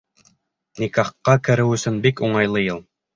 Никахҡа кереү өсөн бик уңайлы йыл.